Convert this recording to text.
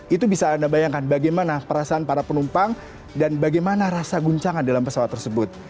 itu bisa anda bayangkan bagaimana perasaan para penumpang dan bagaimana rasa guncangan dalam pesawat tersebut